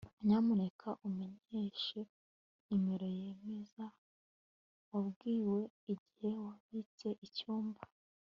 Nyamuneka umenyeshe numero yemeza wabwiwe igihe wabitse icyumba